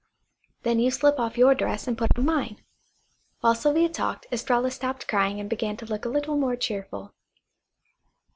Then you slip off your dress and put on mine." While Sylvia talked Estralla stopped crying and began to look a little more cheerful.